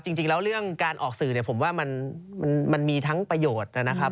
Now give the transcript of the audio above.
จริงแล้วเรื่องการออกสื่อเนี่ยผมว่ามันมีทั้งประโยชน์นะครับ